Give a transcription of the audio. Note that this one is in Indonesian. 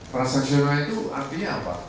transnasional itu artinya apa